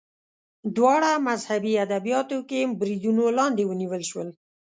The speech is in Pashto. دواړه مذهبي ادبیاتو کې بریدونو لاندې ونیول شول